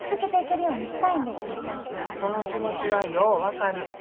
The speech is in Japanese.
その気持ちはよう分かる。